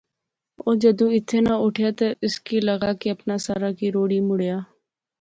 او جدوں ایتھِیں ناں اٹھیا تہ اس کی لغا کہ اپنا سارا کی روڑی مڑیا